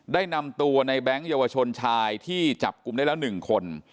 ได้นำตัวในแบงค์เยาวชนชายที่จับกลุ่มได้แล้ว๑คน